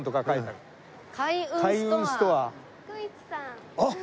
「開運ストア」あっ。